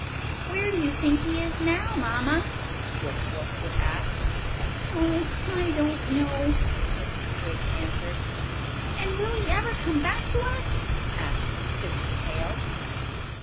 "Where do you think he is now, Mamma?" Wuff Wuff would ask. "Oh, I don't know," Mrs. Pig answered. "And will he ever come back to us?" asked Twisty Tail.